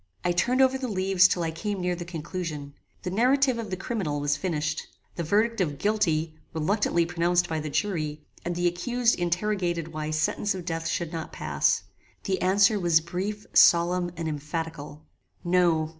I turned over the leaves till I came near the conclusion. The narrative of the criminal was finished. The verdict of GUILTY reluctantly pronounced by the jury, and the accused interrogated why sentence of death should not pass. The answer was brief, solemn, and emphatical. "No.